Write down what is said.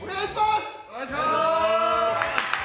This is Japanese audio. お願いします。